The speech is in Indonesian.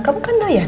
kamu kan doyan